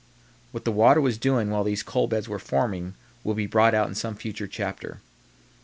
What the water was doing while these coal beds were forming will be brought out in some future chapter.